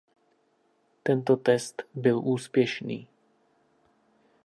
Tento test byl úspěšný.